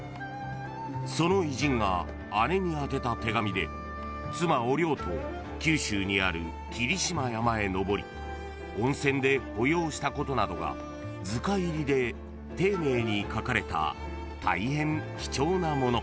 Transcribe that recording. ［その偉人が姉に宛てた手紙で妻お龍と九州にある霧島山へ登り温泉で保養したことなどが図解入りで丁寧にかかれた大変貴重な物］